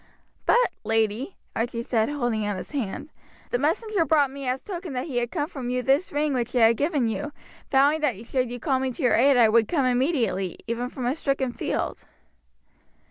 "But, lady," Archie said, holding out his hand, "the messenger brought me as token that he had come from you this ring which I had given you, vowing that should you call me to your aid I would come immediately, even from a stricken field."